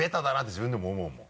自分でも思うもん。